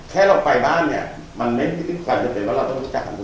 แค่เราไปบ้านเนี่ยมันไม่ได้เป็นประเด็นว่าเราต้องรู้จักคุณครับ